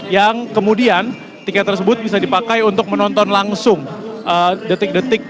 yang kemudian tiket tersebut bisa dipakai untuk menonton langsung detik detik